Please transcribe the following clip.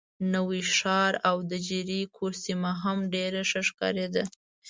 نوی ښار او د جریکو سیمه هم ډېره ښه ښکارېده.